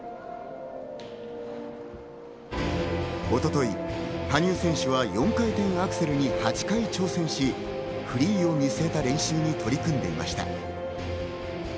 一昨日、羽生選手は４回転アクセルに８回挑戦し、フリーを見据えた練習をしていました。